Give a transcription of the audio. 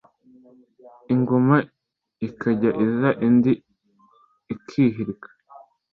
ingoma ikajya iza indi ikihirika